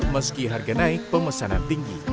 meski harga naik pemesanan tinggi